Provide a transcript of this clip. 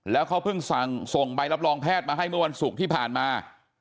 แล้วเขาเพิ่งส่งใบรับรองแพทย์มาให้เมื่อวันศุกร์ที่ผ่านมา